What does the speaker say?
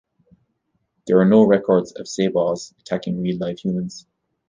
There are no records of Sabaws attacking real live humans.